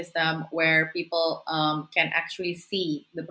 dimana orang bisa melihat